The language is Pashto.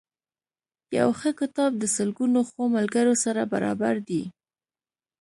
یو ښه کتاب د سلګونو ښو ملګرو سره برابر دی.